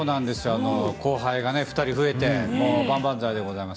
後輩が２人増えて万々歳です。